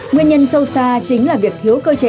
nguyên nhân sâu xa chính là việc thiếu cơ chế